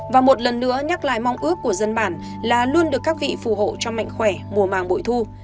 và một lần nữa nhắc lại mong ước của dân bản là luôn được các vị phù hộ cho mạnh khỏe mùa màng bội thu